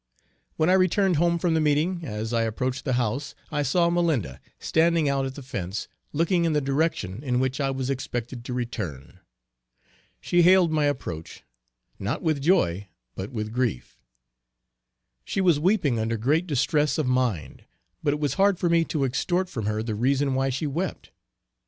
When I returned home from the meeting as I approached the house I saw Malinda, standing out at the fence looking in the direction in which I was expected to return. She hailed my approach, not with joy, but with grief. She was weeping under great distress of mind, but it was hard for me to extort from her the reason why she wept.